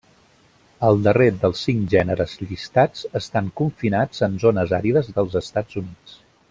El darrer dels cinc gèneres llistats estan confinats en zones àrides dels Estats Units.